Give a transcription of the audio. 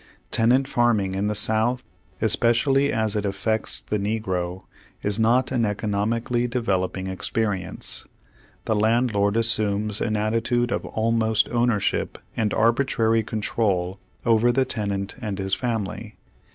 Tenant farming in the South, especially as it effects the negro, is not an economically develop ing experience. The landlord assumes an atti tude of almost ownership and arbitrary control over the tenant and his family.